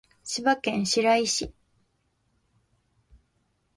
千葉県白井市